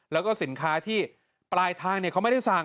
แล้วก็สินค้าที่ปลายทางเขาไม่ได้สั่ง